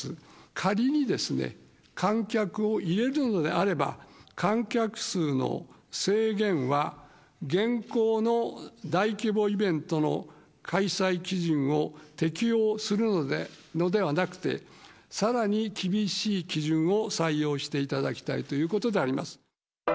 仮にですね、観客を入れるのであれば、観客数の制限は、現行の大規模イベントの開催基準を適用するのではなくて、さらに厳しい基準を採用していただきたいということであります。